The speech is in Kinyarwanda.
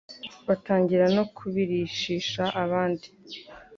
batangira no kubirishisha ahandi